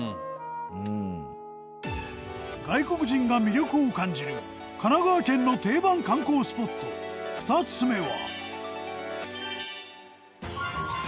外国人が魅力を感じる神奈川県の定番観光スポット２つ目は。